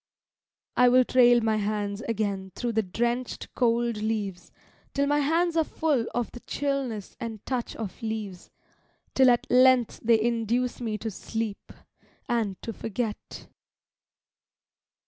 I will trail my hands again through the drenched, cold leaves Till my hands are full of the chillness and touch of leaves, Till at length they induce me to sleep, and to forget.